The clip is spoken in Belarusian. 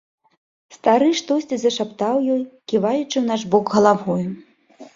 Стары штосьці зашаптаў ёй, ківаючы ў наш бок галавою.